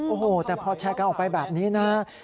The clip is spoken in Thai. โอ้โหแต่พอแชร์กันออกไปแบบนี้นะฮะ